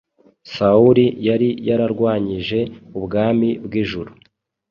Sawuli yari yararwanyije Umwami w’ijuru.